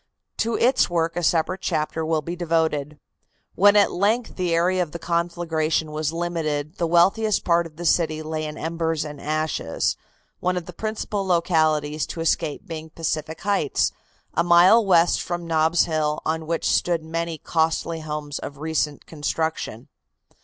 To its work a separate chapter will be devoted. When at length the area of the conflagration was limited the wealthiest part of the city lay in embers and ashes, one of the principal localities to escape being Pacific Heights, a mile west from Nob's Hill, on which stood many costly homes of recent construction.